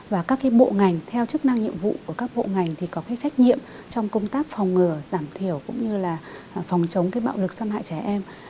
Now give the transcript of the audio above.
và các cái bộ ngành theo chức năng nhiệm vụ của các bộ ngành thì có cái trách nhiệm trong công tác phòng ngừa giảm thiểu cũng như là phòng chống cái bạo lực xâm hại trẻ em